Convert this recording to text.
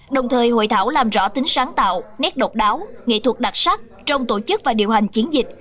đồng thời hội thảo làm rõ tính sáng tạo nét độc đáo nghệ thuật đặc sắc trong tổ chức và điều hành chiến dịch